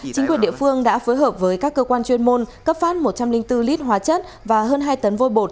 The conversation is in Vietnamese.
chính quyền địa phương đã phối hợp với các cơ quan chuyên môn cấp phát một trăm linh bốn lít hóa chất và hơn hai tấn vôi bột